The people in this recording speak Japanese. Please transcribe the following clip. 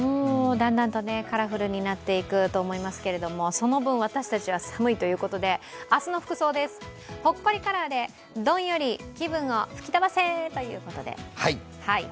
だんだんとカラフルになっていくと思いますけれども、その分、私たちは寒いということで明日の服装です、ほっこりカラーでどんより気分を吹き飛ばせということで。